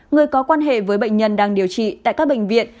người có quan hệ với bệnh nhân đang điều trị tại các bệnh viện